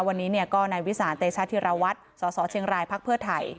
วันนี้ก็นายวิสานเตชธิระวัติสเชียงรายพไถ่